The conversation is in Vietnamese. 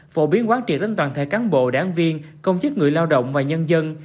phổ biến quán triệt đến toàn thể cán bộ đảng viên công chức người lao động và nhân dân